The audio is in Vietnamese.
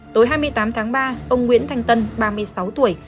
tối hai mươi tám tháng ba ông nguyễn thanh tân ba mươi sáu tuổi